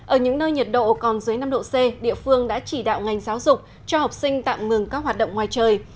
ở những nơi nhiệt độ còn dưới năm độ c địa phương đã chỉ đạo ngành giáo dục cho học sinh tạm ngừng các hoạt động ngoài trời